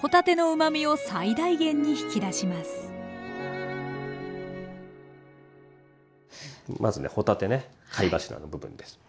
まずね帆立てね貝柱の部分です。